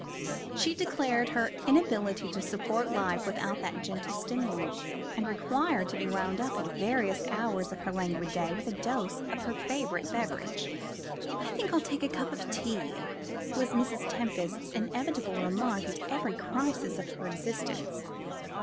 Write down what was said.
She declared her inability to support life without that gentle stimulant, and required to be wound up at various hours of her languid day with a dose of her favourite beverage. "I think I'll take a cup of tea," was Mrs. Tempest's inevitable remark at every crisis of her existence.